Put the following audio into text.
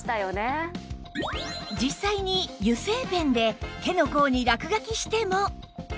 実際に油性ペンで手の甲に落書きしても